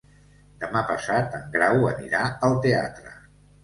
Demà passat en Grau anirà al teatre.